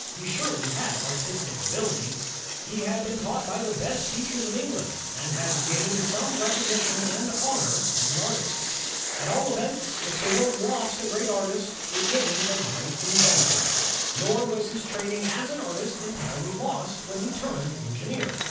He surely had artistic ability. He 36 INVENTIONS OF STEAM AND ELECTRIC POWER had been taught by the best teachers of England, and had gained some recognition and honor as an artist. At all events, if the world lost a great artist, it gained a great inventor. Nor was his training as an artist entirely lost when he turned engineer.